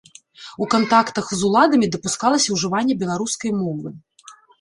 У кантактах з уладамі дапускалася ўжыванне беларускай мовы.